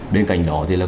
bên cạnh đó thì là